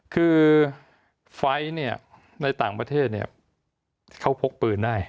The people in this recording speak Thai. คือไฟล์ทในต่างประเทศเนี่ยเขาพกปืนได้